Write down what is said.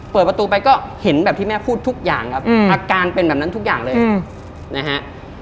เปิดประตูไปก็เห็นแบบที่แม่พูดทุกอย่างครับอาการเป็นแบบนั้นทุกอย่างเลยนะฮะ